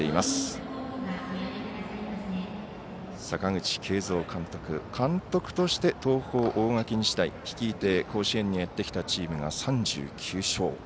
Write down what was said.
阪口慶三監督監督として、東邦、大垣日大率いて甲子園にやってきたチームは３９勝。